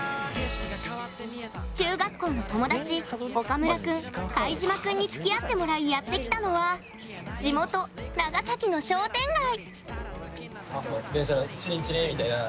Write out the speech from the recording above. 中学校の友達岡村君、貝嶋君につきあってもらいやってきたのは地元・長崎の商店街。